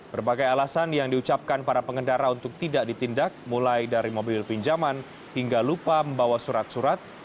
berbagai alasan yang diucapkan para pengendara untuk tidak ditindak mulai dari mobil pinjaman hingga lupa membawa surat surat